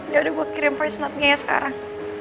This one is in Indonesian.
ya udah gue kirim voice note nya ya sekarang